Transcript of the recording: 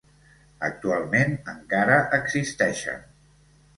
Actualment encara existeixen.